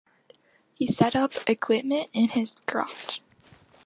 He set up equipment in his garage.